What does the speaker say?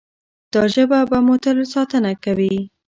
دا ژبه به مو تل ساتنه کوي.